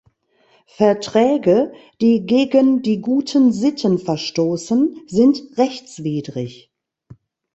Verträge, die gegen die guten Sitten verstoßen, sind rechtswidrig.